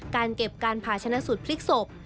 การเก็บการผ่าชนะสูตรพลิกศพ